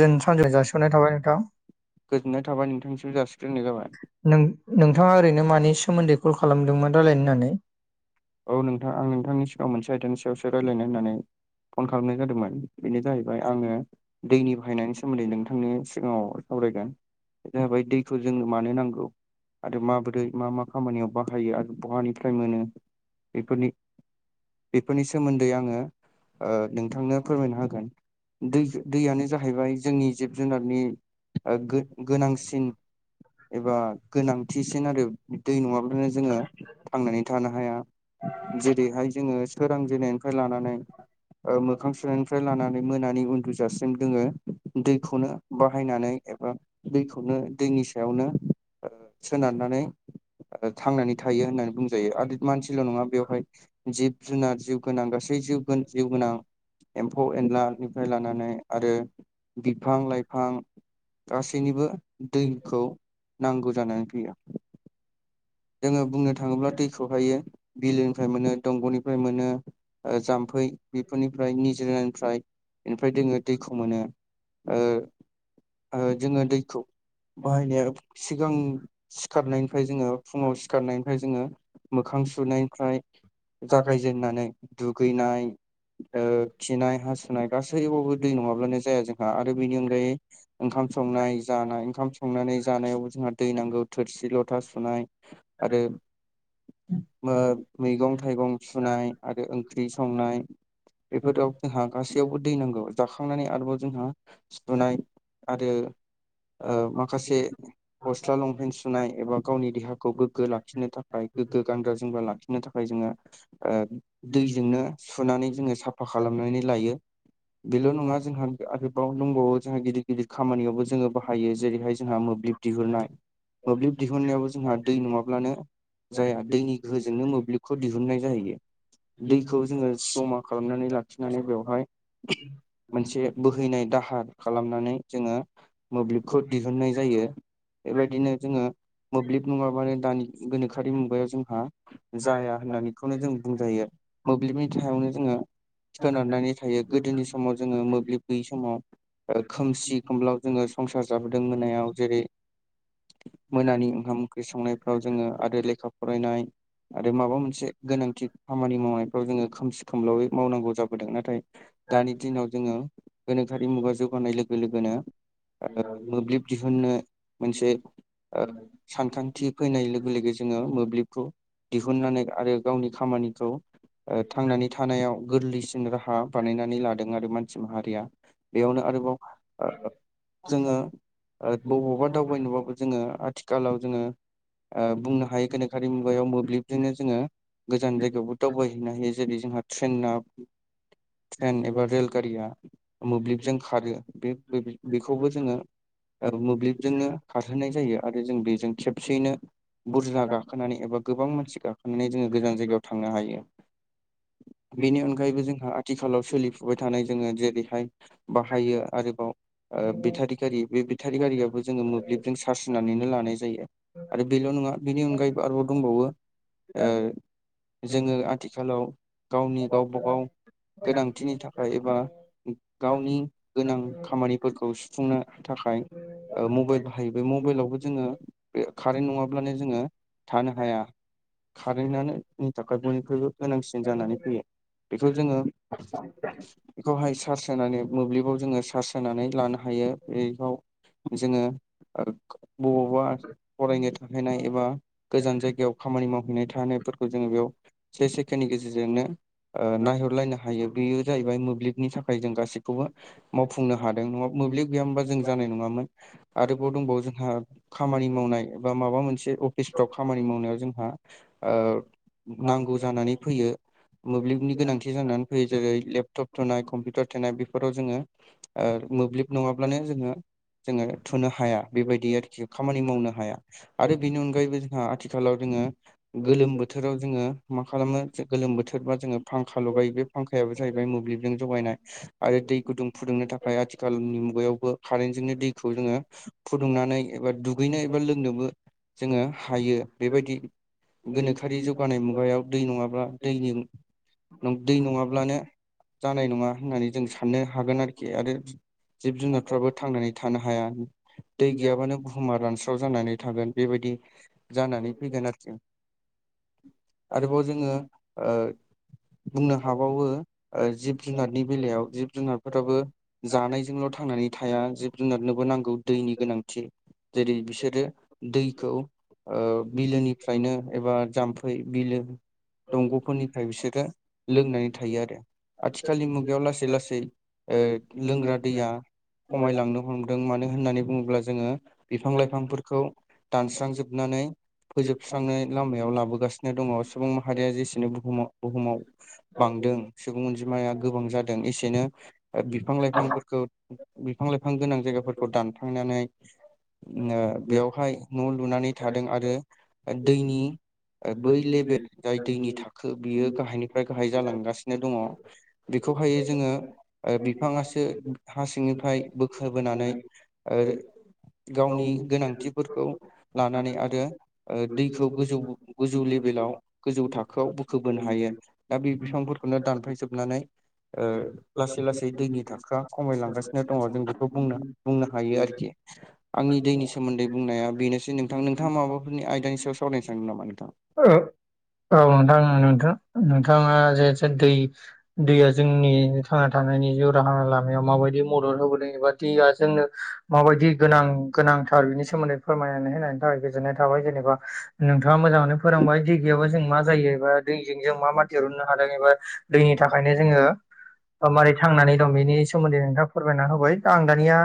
जों सानसे जासिहरनाय थाबाय नोंथां गोजोन्नाय थाबाय नोंथांनिसिम जासिग्रोनाय जाबाय। नों नोंथाङा ओरैनो मानि सोमोन्दै क'ल खालामदोंमोन रायज्लायनो होननानै? औ नोंथां आं नोंथांनि सिगाङाव मोनसे आयदानि सायावसो रायज्लायनो होननानै फन खालामनाय जादोंमोन बेनो जाहैबाय आङो दैनि बाहायनायनि सोमोन्दै नोंथांनि सिगाङाव सावरायगोन। बे जाबाय दैखौ जोंनो मानो नांगौ आरो माबोरै मा मा खामानियाव बाहायो आरो बहानिफ्राय मोनो बेफोरनि बेफोरनि सोमोन्दै आङो ओ नोंथांनो फोरमायनो होगोन। दै दैयानो जाहैबाय जोंनि जिब जुनारनि गोनांसिन एबा गोनांथिसिन आरो दै नङाब्लानो जोंङो थांनानै थानो हाया। जेरैहाय जोंङो सोरां जेनायनिफ्राय लानानै मोखां सुनायनिफ्राय लानानै मोनानि उन्दुजासिम दोङो दैखौनो बाहायनानै एबा दैखौनो दैनि सायावनो सोनारनानै थांनानै थायो होननानै बुंजायो आरो मानसि ल' नङा बेवहाय जिब जुनार जिउ गोनां गासै जि जिउ गोनां एम्फौ एनलानिफ्राय लानानै आरो बिफां लाइफां गासैनिबो दैखौ नांगौ जानानै फैयो जोङो बुंनो थाङोब्ला दैखौहायो बिलोनिफ्राय मोनो दंग'निफ्राय मोनो जाम्फै बेफोरनिफ्राय निजोरनिफ्राय बेनिफ्राय जोंङो दैखौ मोनो जोंङो दैखौ बाहायनाया सिगां सिखारनायनिफ्राय जोंङो फुङाव सिखारनायनिफ्राय जोंङो मोखां सुनायनिफ्राय जागायजेेननानै दुगैनाय ओ औ खिनाय हासुनाय गासैबाबबो दै नङाब्लानो जाया जोंहा आरो बेनि अनगायै ओंखाम संनाय जानाय ओंखाम संनानै जानायाव जोंहा दै नांगौ थोरसि लथा सुनाय आरो मैगं थाइगं सुनाय आरो ओंख्रि संनाय बेफोराव जोंहा गासैयावबो दै नांगौ जाखांनानै आरोबाव जोंहा सुनाय आरो माखासे गस्ला लंपेन् सुनाय एबा गावनि देहाखौ खौ गोग्गो लाखिनो थाखाय गोग्गो गानग्रा जोमग्रा लाखिनो थाखाय जोंङो दैजोंनो सुनानै जोंङो साफा खालामनानै लायो। बेल' नङा जोंहा आरोबाव दंबावो जोंहा गिदिर गिदिर खामानियावबो जोङो बाहायो। जेरैहाय जोंहा मोब्लिब दिहुननाय मोब्लिब दिहुननायावबो जोंहा दै नङाब्लानो जाया दैनि गोहोजोंनो मोब्लिबखौ दिहुनन्नाय जाहैयो दैखौ जोंङो जमा खालामनानै लाखिनानै बेवहाय मोनसे बोहैनाय दाहार खालामनानै जोंङो मोब्लिबखौ दिहुननाय जायो बेबायदिनो जोंङो मोब्लिब नङा मानो दानि गोनोखोआर मुगायाव जोंहा जाया होननानैखौनो जों बुंजायो मोब्लिबनि सायावनो जोंङो सोनारनानै थायो गोदोनि समाव जोङो मोब्लिब गैयै समाव ओ खोमसि खोमलाव जोङो संसार जाबोदों मोनायाव जेरै मोनानि [unintelligible] ओंखाम ओंख्रि संनायफ्राव जोङो आरो लेखा फरायनाय आरो माबा मोनसे गोनांथि खामानि मावनायफ्राव जोङो खोमसि खोमलावै मावनांगौ जाबोदों। नाथाय दानि दिनाव जोङो गोनोखारि मुगा जौगानाय लोगो लोगोनो ओ मोब्लिब दिहुननो मोनसे [unintelligible] सानखान्थि फैनाय लोगो लोगो जोङो मोब्लिबखौ दिहुनन्नानै आरो गावनि खामानिखौ थांनानै थानायाव गोरलैसिन राहा बानायनानै लादों आरो मानसि माहारिया बेयावनो आरोबाव जोंङो बबावबा दावबायनोबाबो जोंङो आथिखालाव जोंङो बुंनो हायो गोनोखआि मुगायाव मोब्लिबजोंनो जोंङो गोजान जायगायावबो दावबायहैनो हायो जेरै जोंहा ट्रेनाना ट्रेन एबा रेलगया मोब्लिबजों खारो बे बेखौबो जोंङो मोब्लिबजोंनो खारहोनाय जायो आरो जों बेजों खेब खसयैनो बुरजा गाखोनानै एबा गोबां मानसि गाखोनानै जोंङो गोजान जायगायाव थांनो हायो। बेनि अनगायैबो जोंहा आथिखालाव सोलिफुबाय थानाय जोङो जेरैहाय बाहायो आरोबाव ओ बेटारि गारि। बे बेटारि गारियाबो जोङो मोब्लिबजों चार्ज होननानैनो लानाय जायो। आरो बेल' नङा बेनि अनगायैबो आरोबाव दंबावो। ओ जोङो आथिखालाव गावनि गावबा गाव गोनांथिनि थाखा खाय एबा गावनि गोनां खामानिफोरखौ सुफुंनो थाखाय ओ मबाइल बाहायो, बे मबाइलावबो जोङो ओ कारेन्ट नङाब्लानो जोङो थानो हाया कारेन्टनो जोंनि थाखाय बयनिख्रुइबो गोनांसिन जानानै फैयो। बेखौ जोङो बेखौहाय चार्ज होनानै मोब्लिबाव जोङो चार्ज होनानै लानो हायो। बेयाव जोङो ओ बबावबा फरायनो थाहैनाय एबा गोजान जायगायाव खामानि मावहैनाय थाहैनायफोरखौ जोङो बेयाव से सेकेणडनि गेजेरजोंनो ओ नायहरलायनो हायो बेयो जाहैबाय मोब्लिबनि थाखाय जों गासैखौबो मावफुंनो हादों नङाबा मोब्लिब गैयामोनबा जों जानाय नङामोन। आरोबाव दंबावो जोंहा खामानि माव नाय माबा मोनसे अफिसफ्राव खामानि मावनायाव जोंहा ओ नांगौ जानानै फैयो मोब्लिबनि गोनांथि जानानै फैयो जेरै लेपटप थोनाय, कम्पिउटार थोनाय ‌। बेफोराव जोङो ओ मोब्लिब नङाब्लानो जोङो जोङो थुनो हाया, बेबायदि आरोखि खामानि मावनो हाया आरो बेनि अनगायैबो जोंहा आथिखालाव जोङो गोलोम बोथोराव जोङो मा खालामो गोलोम बोथोरबा जोङो फांखा लगायो। बे फांखायाबो जाहैबाय मोब्लिबजों जगायनाय आरो दै गुदुं फुदुंनो थाखाय आथिखालनि मुगायावबो कारेन्टजोंनो दैखौ जोङो फुदुंनानै एबा दुगैनो एबा लोंनोबो जोङो हायो। बेबायदि गोनोखोआरि जौगानाय मुगायाव दै नङाब्ला दैनि दै नङाब्लानो जानाय नङा होननानै जों साननो हागोन आरोखि आरो जिब जुनारफ्राबो थांनानै थानो हाया, दै गैयाबानो बुहुमा रानस्राव स्राव जानानै थागोन बेबायदि जानानै फैगोन आरोखि। आरोबाव जोङो ओ बुंनो हाबावो ओ जिब जुनारनि बेलायाव जिब जुनारफोराबो जानायजोंल' थांनानै थाया जिब जुनारनोबो नांगौ दैनि गोनांथि जेरै बिसोर बिसोरो दैखौ ओ बिलोनिफ्रायनो एबा जाम्फै बिलो दंग'फोरनिफ्राय बिसोरो लोंनानै थायो आरो आथिखालनि मुगायाव लासै लासै ओ लोंग्रा दैया खमायलांनो हमदों मानो होननानै बुङोब्ला जोङो बिफां लाइफां बेफोरफोरखौ दानस्रांजोबनानै फोजोबस्रांनाय लामायाव लाबोगासिनो दङ सुबुं माहारिया जेसेनो बुुहुमाव बुहुमाव बांदों सुबुं अनजिमाया गोबां जादों एसेनो ओ बिफां लाइफांफोरखौ बिफां लाइफां गोनां जायगाफोरखौ दानथांनानै ओ बेयावहाय न' लुनानै थादों आरो दैनि ओ बै लेभेल जाय दैनि थाखो बियो गाहायनिफ्राय गाहाय जालांगासिनो दङ। बेखौहाय जोङो ओ बिफाङासो हा सिंनिफ्राय बोखोबोनानै ओ गावनि गोनांथिफोरखौ लानानै आरो ओ दैखौ गोजौ गोजौ लेभेलाव गोजौ थाखोआव बोखोबोनो हायो। दा बे बिफांफोरखौनो दानफायजोबनानै ओ लासै लासै दैनि थाखो आ खमायलांगासिनो दङ' जों बेखौ बुंनो बुंनो हायो आरोखि। आंनि दैनि सोमोन्दै बुंनाया बेनोसै नोंथां नोंथाङा माबाफोरनि आयदानि सायाव सावरायायनो सानदों नामा नोंथां? ओ औ नोंथां नोंथाङा जे दै दैया जोंनि थांना थानायनि जिउ राहा लामायाव माबायदि मदद होबोदों एबा दैया जोंनो माबायदि गोनां गोनांथार बिनि सोमोन्दै फोरमायनानै होनायनि थाखाय गोजोननाय थाबाय जेनेबा नोंथाङा मोजाङैनो फोरोंबाय दै गैयाबा जों मा जायो एबा दैजों जों मा मा दिरुननो हादों एबा दैनि थाखायनो जोङो मारै थांनानै दं बेनि सोमोन्दै नोंथाङा फोरमायना होबाया आं दानिया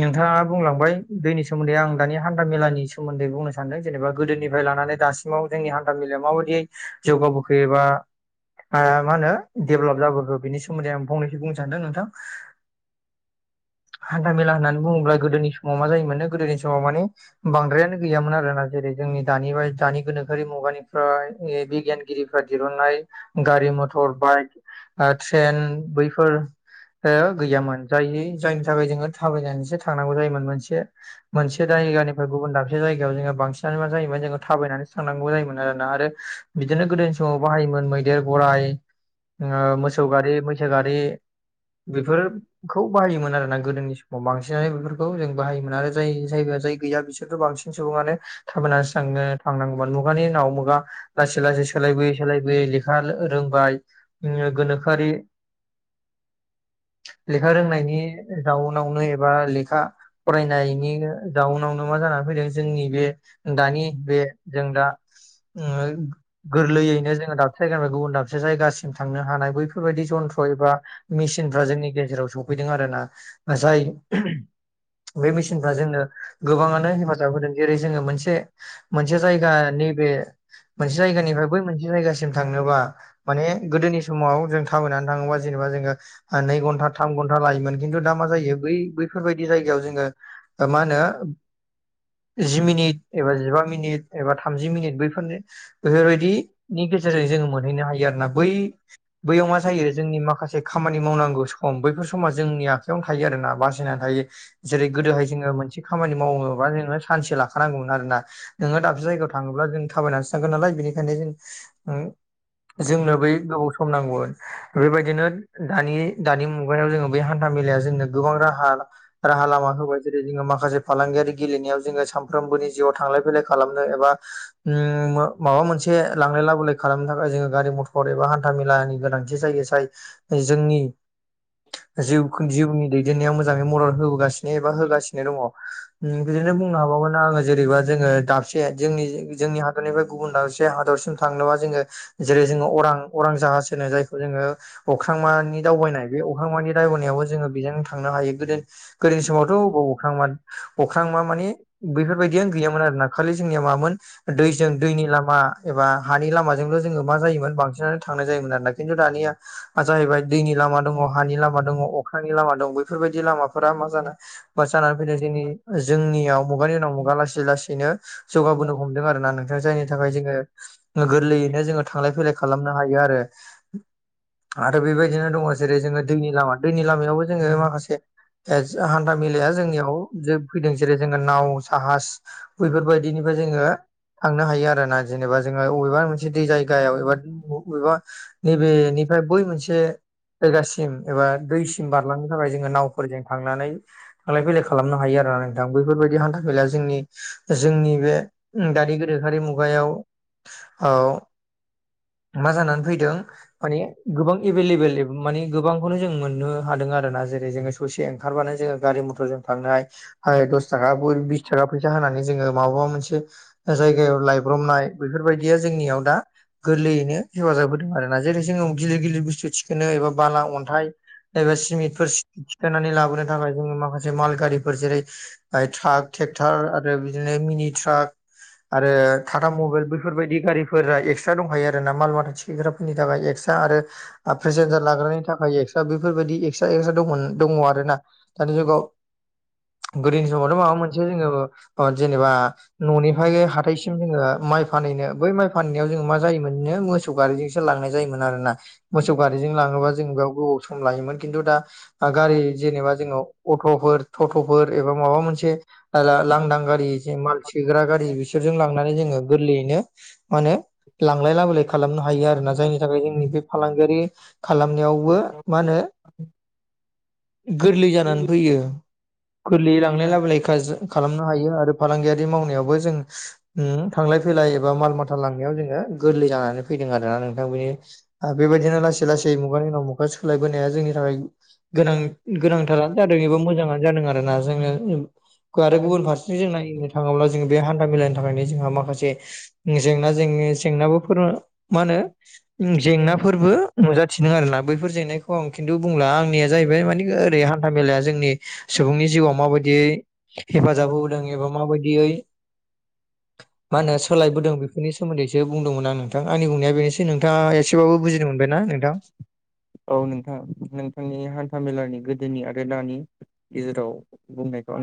नोंथाङा बुंलांबाय दैनि सोमोन्दै आं दानि हान्था मेलानि सोमोन्दै बुंनो सानदों जेनेबा गोदोनिफ्राय लानानै दासिमाव जोंनि हान्था मेलायाव माबायदि जौगाबोखो एबा आ मा होनोेे डेभेलब जाबोखो बिनि सो मोन्दै आं फंनैसो बुंनो सानदों नोंथां हान्था मेला होननानै बुङोब्ला गोदोनि समाव मा जायोमोन गोदोनि समाव माने बांद्रायानो गैयामोन आरोना जेरै जोंनि दानि बा दानि गोनोखोआरि मुगानिफ्राय बिगियानगिरिफ्रा दिरुननाय गारि मथर बाइक ट्रेन बैफोर ओ गैयामोन। जायनि जायनि थाखाय जोङो थाबायनानैसो थांनांगौ जायोमोन मोनसे मोनसे जायगानि फ्राय गुबुन दाबसे जायगायाव जोङो बांसिनानो मा जायोमोन जोङो थाबायनानै थांनांगौ जायोमोन आरो आरो बिदिनो गोदोनि समाव बाहायोमोन मैदेर गराइ ओ मोसौ गारि मैसो गारि बेफोरखौ बाहायोमोन आरोना गोदोनि सम आव बांसिनानो बेफोरखौ जों बाहायोमोन आरो जाय जायगा जाय गैया बिसोरथ' बांसिन सुबुङानो थाबायनानैसो थांनो थांनांगौमोन मुगानि उनाव मुगा लासै लासै सो लायबोयै सोलायबोयै लेखा रोंबाय गोनोखोआरि लेखा रोंनायनि जाउनावनो एबा लेखा फरायनायनि जाउनावनो मा जानानै फैदों जोंनि बे दानि बे जों दा जोङो गोरलैयैनो जोङो दाबसे जायगानिफ्राय गुबुन दाबसे जायगासिम थांनो हानाय बैफोरबायदि जन्थ्र एबा मेसिनफ्रा जोंनि गेजेराव सफैदों आरोना जाय बे मेसिनफ्रा जोंनो गोबाङानो हेफाजाब होदों जेरै जों मोनसे मोनसे जायगा नैबे मोनसे जायगानिफ्राय बै मोनसे जायगासिम थांनोबा माने गोदोनि समाव जों थाबायनानै थाङोबा जेनेबा जोङो नै घन्टा थाम घन्टा लायोमोन खिन्थु दा मा जायो बै बैफोरबायदि जायगायाव जोङो मा होनो जि मिनिट एबा जिबा मिनिट एबा थामजि मिनिट बैफोरनो बेफोरबायदिनि गेजेरजों जोङो मोनहैनो हायो आरोना बै बैयाव मा जायो जोंनि माखासे खामानि मावनांगौ सम बैफोर समा जोंनि आखायावनो थायो आरोना बासायनानै थायो जेरै गोदोहाय जोङो मोनसे खामानि मावोबा जोङो सानसे लाखानांगौमोन आरोना नोङो दाबसे जायगायाव थाङोब्ला जों थाबायनासो थांगोन नालाय बेनिखायनो जों जोंनो बै गोबाव सम नांगौमोन। थ बेबायदिनो दानि दानि मुगायाव जोङो बे हान्था मेलाया जोंनो गोबां राहा राहा लामा होबाय। जेरै जोङो माखासे फालांगियारि गेलेनायाव जोङो सानफ्रोमबोनि जिउआव थांलाय फैलाय खालामनो एबा उम माबा मोनसे लांलाय लाबोलाय खालामनो थाखाय जोङो गारि मथर एबा हान्था मेलानि गोनांथि जायो जाय जोंनि जिउ जिउनि दैदेननायाव मोजाङै मदद होबोगासिनो एबा होगासिनो दङ बिदिनो बुंनो हाबावगोन आङो जेरैबा जोङो दाबसे जोंनि जोंनि हादरनिफ्राय गुबुन दाबसे हादरसिम थांनोबा जोङो जेरै जोङो अरां अरां जाहाज होनो जायखौ जोङो अख्रांमानि दावबायनाय बे अख्रांमानि दावबायनायावबो जोङो बेजों थांनो हायो गोदो गोदोनि समावथ' बबाव अख्रांमोन अख्रांमा मानि बैफोरबायदियानो गैयामोन आरोना खालि जोंनिया मामोन दैजों दैनि लामा एबा हानि लामाजोंल' जोङो मा जायोमोन बांसिनानो थांनाय जायोमोन आरोना खिन्थु दानिया जाहैबाय दैनि लामा दङ हानि लामा दङ अख्रानि लामा दङ बेफोरबायदि लामाफोरा मा जानो बा जानानै फैनाय जोंनि जोंनियाव मुगानि उनाव मुगा लासै लासैनो जौगाबोनो हम दों आरोना नोंथां जायनि थाखाय जोङो गोरलैयैनो जोङो थांलाय फैलाय खालामनो हायो आरो आरो बेबायदिनो दङ जेरै जोङो दैनि लामा दैनि लामायावबो जोङो माखासे हान्था मेलाया जोंनियाव फैदों जेरै जोङो नाव जाहाज बैफोरबायदिनिफ्राय जोङो थांनो हायो आरो ना जेनेबा जोङो बबेबा मोनसे दै जायगायाव एबा बबेबा नैबेनिफ्राय बै मोनसे जायगासिम एबा दैसिम बारलांनो थाखाय जोङो नावफोरजों थांनानै थांलाय फैलाय खालाम नो हायो आरो ना नोंथां बैफोरबादि हान्थामेलाया जोंनि जोंनि बे दानि गो दोखारि मुगायाव औ मा जानानै फैदों माने गोबां एभेलेबेल मानि गोबांखौनो जों मोननो हादों आरो ना जेरै जोङो ससे ओंखारबानो जोङो गारि मथरजों थांनाय आरो दसथाखा बिसथाखा फैसा होनानै जोङो माबेबा मोनसे जायगायाव लायब्रबनाय बेफोरबायदिया जोंनियाव दा गोरलैयैनो हेफाजाब होदों आरो ना जेरै जोङो गिलिर गिलिर बुस्थु थि खोनो एबा बाला अन्थाइ एबा सिमेन्टफोर थिखोनानै लाबोनो थाखाय जोङो माखासे माल गारिफोर जेरै ट्राक ट्रेक्टर आरो बिदिनो मिनि ट्राक आरो टाटा मबाइलबो बेफोरबायदि गारिफोरा एक्सट्रा दंखायो आरो ना मालबाथा थिखिग्राफोरनि थाखाय एक्सट्रा आरो प्रेसेन्जार लाग्रानि थाखाय एक्सट्रा बेफोरबायाददि एक्सट्रा एक्सट्रां दङ आरो ना। दानि जुगाव गोदोनि समावथ' माबा मोनसे जोङो जेनेबा न'नि थाइसिम जोङो माइ फानहैनो बै माइ फानहैनायाव जोङो मा जायोमोन नो मोसौ गारिजोंसो लांनाय जायोमोन आरोना। मोसौ गारिजों लाङोबा जों बेयाव गोबाव सम लायोमोन खिन्थु दा गारि जेनेबा जोङो अट'फोर थट'फोर एबा माबा मोनसे लांदां गारि जे माल सेग्रा गारि बिसोरजों लांनानै जोङो गोरलैयैनो मा होनो लांलाय लाबोलाय खालामनो हायो आरोना जायनि थाखाय जोंनि बे फालांगियारि खालामनायाव बो मा होनो गोरलै जानानै फैयो गोरलैयै लांलाय लाबोलाय खालामनो हायो आरो फालांगियारि मावनायावबो जों थांल फैलाय एबा माल लांनायाव जोङो गोरलै जानानै फैदों आरोना नोंथांनि बेबायदिनो लासै लासै दै मुगानि उनाव मुगा सोलायबोनाया जोंनि थाखाय गां गोनांथारानो जेरैबो मोजांआनो जादों आरोना जोङो आरो गुबुन फारसेथिं नायनो थाङोब्ला जोङो बे हान्था मेलानि थाखायनो जोंहा माखासे जेंना जेंनि जेंनाबोफोर मा होनो जेंनाफोरबो नुजाथिदों आरो ना बैफोर जेंनायखौ आं खिन्थु बुंला आंनिया जाहैबाय मानि ओरै हान्था मेलाया जोंनि सुबुंनि जिउआव माबायदियै हेफाजाब होबोदों एबा माबायदियै औ माहो सोलायबोदों बेफोरनि सोमोन्दैसो बुंदोंमोन आं नोंथां आंनि बुंनाया बेनो ए नोंथाङा एसेबाबो बुजिनो मोनबायनाा नोंथां? औ नोंथां नोंथांनि हान्था मेलानि गोदोनि आरो दानि गेजेराव बुंनायखौ आं